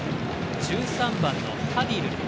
１３番のハディル。